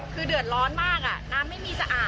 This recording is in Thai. คือเดือดร้อนมากน้ำไม่มีสะอาด